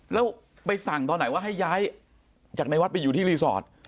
แล้วไปสั่งตอนไหนว่าให้ย้ายจากในวัดไปอยู่ที่รีสอร์ท